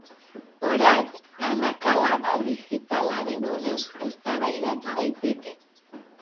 Orain arrakala digitalari buruz eztabaidatu daiteke.